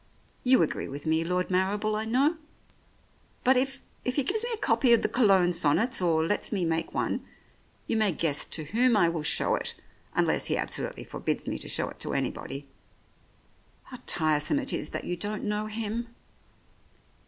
You agree with me, Lord Mar rible, I know. But if — if he gives me a copy of the Cologne sonnets, or lets me make one, you may guess to whom I will show it, unless he absolutely forbids me to show it to anybody. How tiresome it is that you don't know him